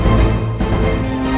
masih ada yang nunggu